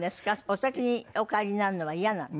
お先にお帰りになるのは嫌なの？